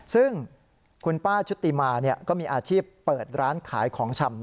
ซึ่งคุณป้าชุติมาก็มีอาชีพเปิดร้านขายของชำ